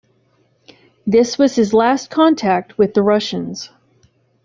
This was his last contact with the Russians.